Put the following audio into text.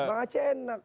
bang aceh enak